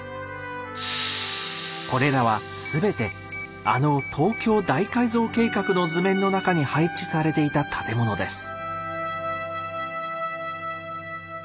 これらは全てあの東京大改造計画の図面の中に配置されていた建物です。